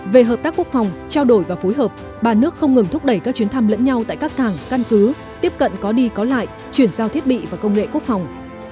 về hợp tác quốc phòng trao đổi và phối hợp ba nước không ngừng thúc đẩy các chuyến thăm lẫn nhau tại các cảng căn cứ tiếp cận có đi có lại chuyển giao thiết bị và công nghệ quốc phòng